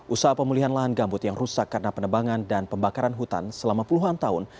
usaha pemulihan lahan gambut yang rusak karena penebangan dan pembakaran hutan selama puluhan tahun